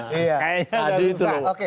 kayaknya dari lupa